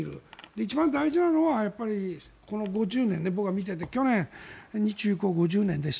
一番大事なのはこの５０年、僕が見てて去年、日中友好５０年でした。